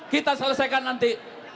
kita selesaikan nanti